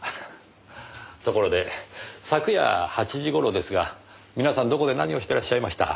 ところで昨夜８時頃ですが皆さんどこで何をしてらっしゃいました？